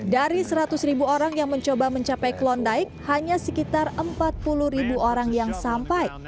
dari seratus ribu orang yang mencoba mencapai klondike hanya sekitar empat puluh ribu orang yang sampai